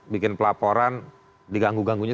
bikin pelaporan diganggu ganggunya